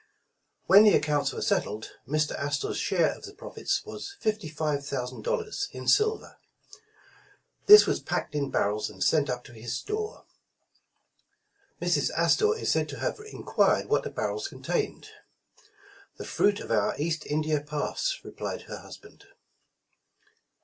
When the accounts were settled, Mr. Astor 's share of the profits was fifty five thousa^nd dollars, in silver. This was packed in barrels and sent up to his store. Mrs As tor is said to have enquired what the barrels contained. "The fruit of our East India Pass," replied her hus band.